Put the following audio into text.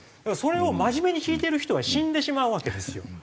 それを真面目に聞いてる人は死んでしまうわけですよ。